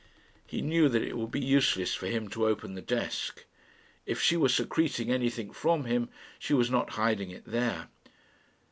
He knew that it would be useless for him to open the desk. If she were secreting anything from him, she was not hiding it there.